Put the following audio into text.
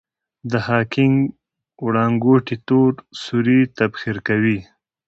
د هاکینګ وړانګوټې تور سوري تبخیر کوي.